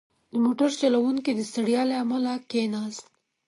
• د موټر چلوونکی د ستړیا له امله کښېناست.